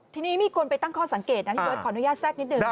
ทีนี้มีคนไปตั้งข้อสังเกตนะพี่เบิร์ตขออนุญาตแทรกนิดนึง